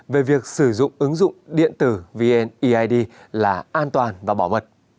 về việc sử dụng ứng dụng điện tử vni id là an toàn và bảo mật